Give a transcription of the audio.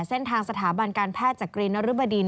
เส้นทางสถาบันการแพทย์จักรีนรึบดิน